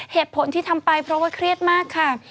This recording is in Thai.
เหตุผลที่ทำไปเพราะว่าเครียดมากค่ะ